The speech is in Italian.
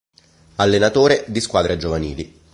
Allenatore di squadre giovanili